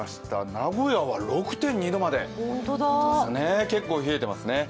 名古屋は６．２度まで結構冷えてますね。